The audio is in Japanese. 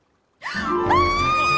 あっ！